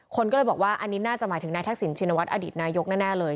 คนก็เลยบอกว่าอันนี้น่าจะหมายถึงนายทักษิณชินวัฒนอดีตนายกแน่เลย